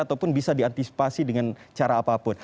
ataupun bisa diantisipasi dengan cara apapun